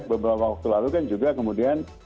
beberapa waktu lalu kan juga kemudian